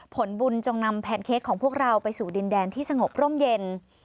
ผลบุญจงนำแพนเค้กของพวกเราไปสู่ดินแดนที่สงบร่มเย็น